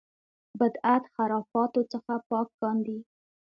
بدعت خرافاتو څخه پاک کاندي.